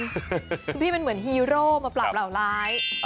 คุณพี่เป็นเหมือนฮีโร่มาปรับเหล่าร้าย